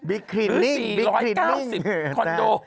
บิ๊กครินลิ่งบิ๊กครินลิ่งหรือ๔๙๐คอนโด